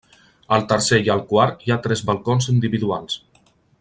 Al tercer i al quart hi ha tres balcons individuals.